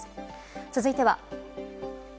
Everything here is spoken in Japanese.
続いては。